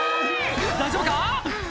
大丈夫か？